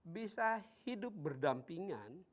bisa hidup berdampingan